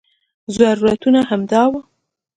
ضرورتونه همدا وو.